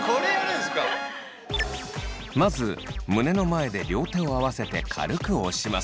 まず胸の前で両手を合わせて軽く押します。